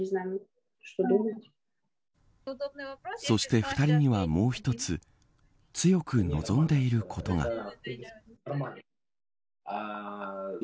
そして２人には、もう一つ強く望んでいることが。